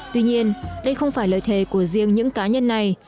tuy nhiên đây không phải lời thề của riêng những cá nhân này